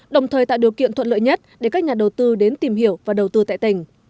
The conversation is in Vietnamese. đồng thời tạo điều kiện thuận lợi nhất để các nhà đầu tư đến tìm hiểu và đầu tư tại tỉnh